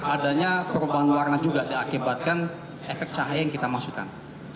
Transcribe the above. adanya perubahan warna juga diakibatkan efek cahaya yang kita masukkan